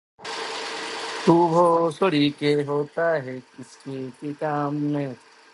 She continued this vital ocean patrol duty until the end of the war.